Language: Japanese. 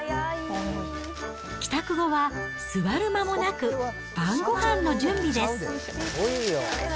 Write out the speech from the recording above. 帰宅後は座る間もなく晩ごはんの準備です。